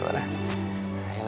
tapi kamu ditinggal